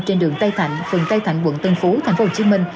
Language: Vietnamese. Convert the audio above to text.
trên đường tây thạnh phường tây thạnh quận tân phú tp hcm